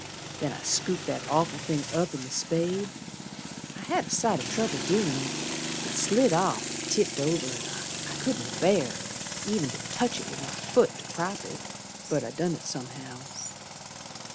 Then I scooped that awful thing up in th' spade. I had a sight o' trouble doin' it. It slid off, and tipped over, and I couldn't bear Ev'n to touch it with my foot to prop it, But I done it somehow.